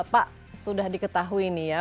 pak sudah diketahui nih ya